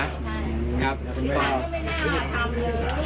เออนั่นแหละก็ไปแอบอ้างนี้แหละนะครับ